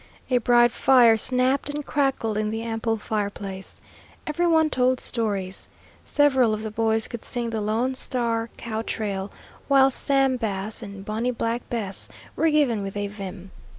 A bright fire snapped and crackled in the ample fireplace. Every one told stories. Several of the boys could sing "The Lone Star Cow trail," while "Sam Bass" and "Bonnie Black Bess" were given with a vim.